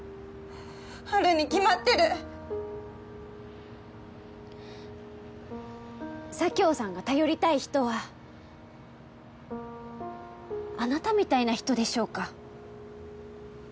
あるに決まってる佐京さんが頼りたい人はあなたみたいな人でしょうか？